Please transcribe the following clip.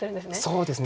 そうですね。